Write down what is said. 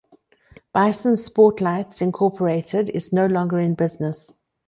Bison Sportslights, Incorporated is no longer in business.